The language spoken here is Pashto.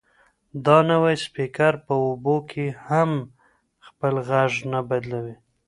دا نوی سپیکر په اوبو کې هم خپل غږ نه بدلوي.